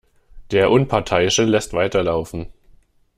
Der Unparteiische lässt weiterlaufen.